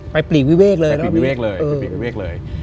ไปปรีวิเวกเลย